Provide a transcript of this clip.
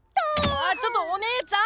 あちょっとお姉ちゃん！